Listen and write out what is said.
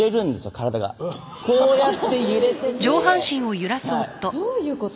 体がこうやって揺れててえぇっどういうこと？